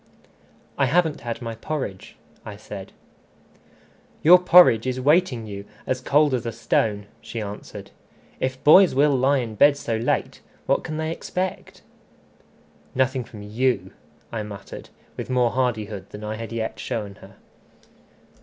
"I haven't had my porridge," I said. "Your porridge is waiting you as cold as a stone," she answered. "If boys will lie in bed so late, what can they expect?" "Nothing from you," I muttered, with more hardihood than I had yet shown her.